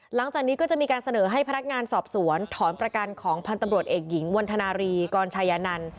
หลังจากนี้ก็จะมีการเสนอให้พนักงานสอบสวนถอนประกันของพันธ์ตำรวจเอกหญิงวันธนารีกรชายนันต์